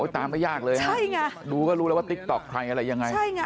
ตามไม่ยากเลยฮะใช่ไงดูก็รู้แล้วว่าติ๊กต๊อกใครอะไรยังไงใช่ไง